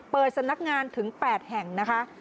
เปิดสำนักงานถึง๘แห่งนะคะ